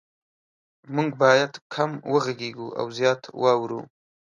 مونږ باید کم وغږیږو او زیات واورو